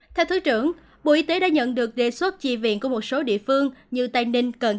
theo thứ trưởng bộ y tế đã nhận được đề xuất chi viện của một số địa phương như tây ninh cần